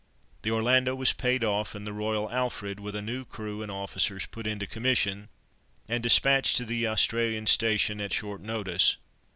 The Orlando was paid off, and the Royal Alfred, with a new crew and officers put into commission, and despatched to the Australian station at short notice.